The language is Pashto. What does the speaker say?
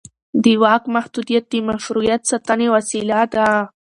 د واک محدودیت د مشروعیت ساتنې وسیله ده